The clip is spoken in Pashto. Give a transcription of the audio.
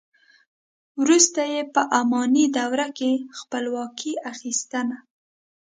وروسته یې په اماني دوره کې خپلواکي اخیستنه.